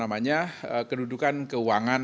dan kemudian itu sebagai pendudukan keuangan